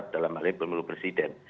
dalam halnya pemilu presiden